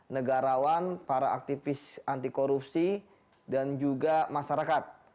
negarawan para aktivis anti korupsi dan juga masyarakat